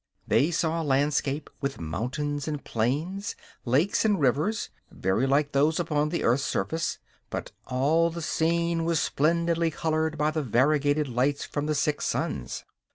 They saw a landscape with mountains and plains, lakes and rivers, very like those upon the earth's surface; but all the scene was splendidly colored by the variegated lights from the six suns.